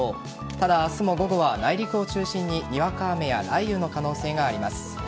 ただ、明日も午後は内陸を中心ににわか雨や雷雨の可能性があります。